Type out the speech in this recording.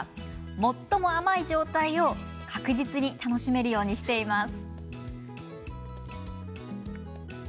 最も甘い状態を確実に楽しめるようにしています。